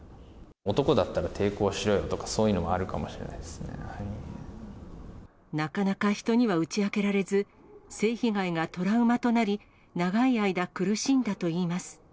男だったら抵抗しろよとか、そういうのもあるかもしれないでなかなか人には打ち明けられず、性被害がトラウマとなり、長い間苦しんだといいます。